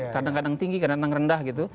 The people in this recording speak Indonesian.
kadang kadang tinggi kadang kadang rendah gitu